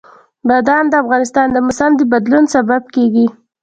بادام د افغانستان د موسم د بدلون سبب کېږي.